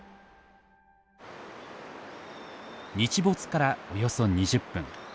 日没からおよそ２０分。